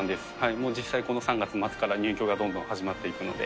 もう実際、この３月末から入居がどんどん始まっていくので。